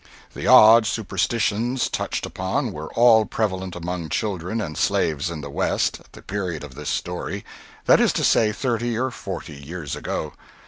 The odd superstitions touched upon were all prevalent among children and slaves in the West at the period of this story—that is to say, thirty or forty years ago.